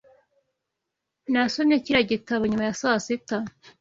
Nasomye kiriya gitabo nyuma ya saa sita.